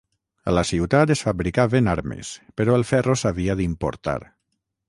A la ciutat es fabricaven armes però el ferro s'havia d'importar.